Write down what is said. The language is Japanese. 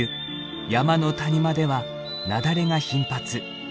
山の谷間では雪崩が頻発。